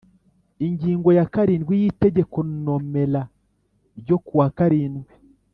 Ingingo ya karindwi y Itegeko nomera ryo ku wa karindwi